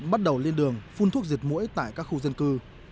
bắt đầu lên đường phun thuốc diệt mũi tại các khu dân cư